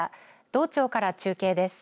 道庁から中継です。